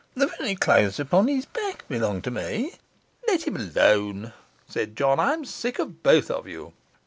the very clothes upon his back belong to me.' 'Let him alone,' said John. 'I am sick of both of you.